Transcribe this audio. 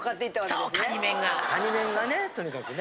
カニ面がねとにかくね。